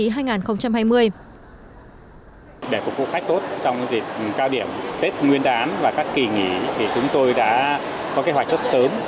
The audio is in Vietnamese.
để phục vụ khách tốt trong dịp cao điểm tết nguyên đán và các kỳ nghỉ thì chúng tôi đã có kế hoạch rất sớm